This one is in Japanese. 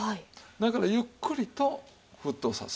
だからゆっくりと沸騰させる。